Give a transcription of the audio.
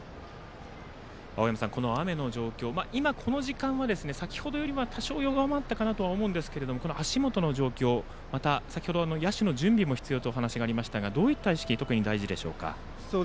青山さん、雨の状況ですが今、この時間は先程よりは多少弱まったかなと思うんですけれども足元の状況、また野手の準備も必要というお話がありましたがどういう意識が特に必要ですか？